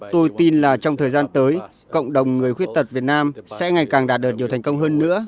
tôi tin là trong thời gian tới cộng đồng người khuyết tật việt nam sẽ ngày càng đạt được nhiều thành công hơn nữa